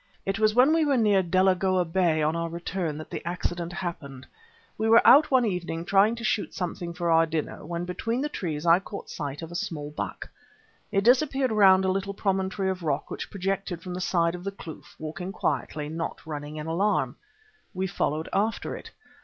It was when we were near Delagoa Bay on our return that the accident happened. We were out one evening trying to shoot something for our dinner, when between the trees I caught sight of a small buck. It vanished round a little promontory of rock which projected from the side of the kloof, walking quietly, not running in alarm. We followed after it.